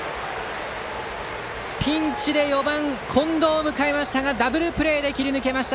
ピンチで４番、近藤を迎えましたがダブルプレーで切り抜けました。